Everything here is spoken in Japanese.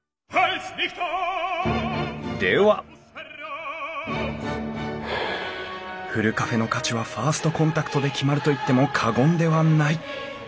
ではふるカフェの価値はファーストコンタクトで決まると言っても過言ではない。